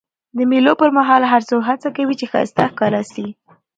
د مېلو پر مهال هر څوک هڅه کوي، چي ښایسته ښکاره سي.